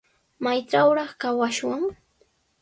¿Maytrawraq kawashwan?